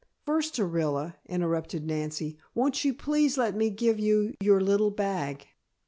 "First, Orilla," interrupted Nancy, "won't you please let me give you your little bag?